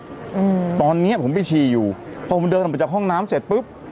อืมตอนเนี้ยผมไปฉี่อยู่พอมันเดินออกไปจากห้องน้ำเสร็จปุ๊บ